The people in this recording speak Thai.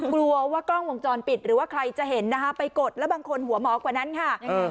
กลัวว่ากล้องวงจรปิดหรือว่าใครจะเห็นนะคะไปกดแล้วบางคนหัวหมอกว่านั้นค่ะ